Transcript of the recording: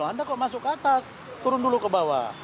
anda kok masuk ke atas turun dulu ke bawah